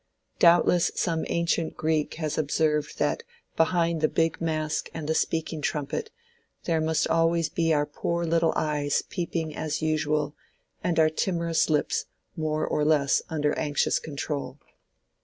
Doubtless some ancient Greek has observed that behind the big mask and the speaking trumpet, there must always be our poor little eyes peeping as usual and our timorous lips more or less under anxious control.